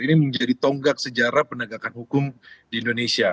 ini menjadi tonggak sejarah penegakan hukum di indonesia